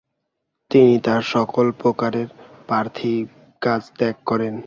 তিনি তার সকল প্রকারের পার্থিব কাজ ত্যাগ করেন।